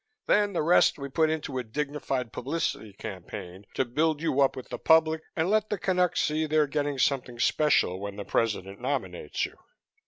Then the rest we put into a dignified publicity campaign, to build you up with the public and let the Canucks see they're getting something special when the President nominates you."